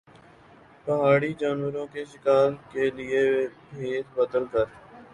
پہاڑی جانوروں کے شکار کے لئے بھیس بدل کر